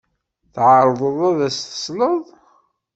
Tɛerḍeḍ ad as-tesleḍ?